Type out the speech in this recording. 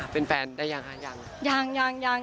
เป็นแฟนได้ยังคะยังยัง